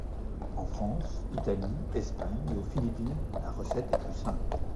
En France, Italie, Espagne, et aux Philippines, la recette est plus simple.